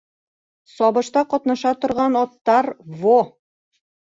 Сабышта ҡатнаша торған аттар - во!